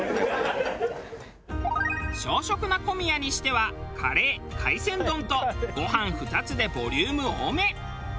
小食な小宮にしてはカレー海鮮丼とご飯２つでボリューム多め。